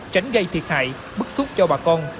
tránh gây thiệt hại bức xúc cho bà con